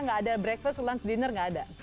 gak ada breakfast lunch dinner gak ada